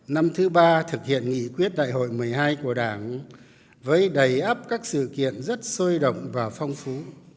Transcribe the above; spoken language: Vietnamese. năm thứ ba thực hiện nghị quyết đại hội một mươi hai của đảng với đầy ấp các sự kiện rất sôi động và phong phú